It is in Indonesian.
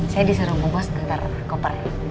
saya disuruh bu bos ntar koper